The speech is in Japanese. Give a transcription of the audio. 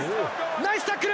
ナイスタックル。